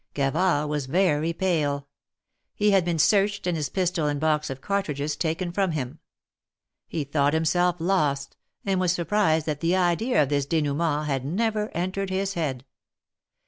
Gavard was very pale. He had been searched and his pistol and box of cartridges taken from him. He thought himself lost, and was surprised that the idea of this de nouement had never entered his head.